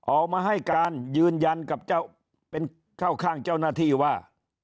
ออกมาให้การยืนยันกับเจ้าเป็นเข้าข้างเจ้าหน้าที่ว่า